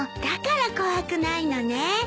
だから怖くないのね。